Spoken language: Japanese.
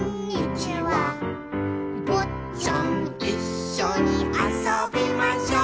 「ぼっちゃんいっしょにあそびましょう」